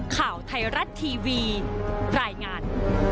ข่าวไทยรัฐทีวีรายงาน